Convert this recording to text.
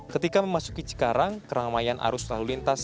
ketika memasuki cikarang keramaian arus lalu lintas